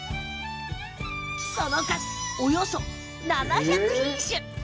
その数、およそ７００品種。